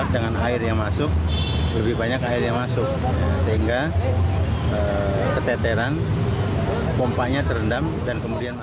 dengan air yang masuk lebih banyak air yang masuk sehingga keteteran pompanya terendam dan kemudian